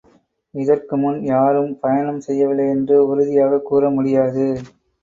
இதற்கு முன் யாரும் பயணம் செய்யவில்லை என்று உறுதியாகக் கூறமுடியாது.